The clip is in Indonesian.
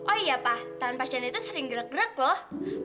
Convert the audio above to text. oh iya pak tahan pasiennya itu sering gerak gerak lho